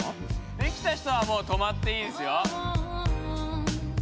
できた人はもうとまっていいですよ。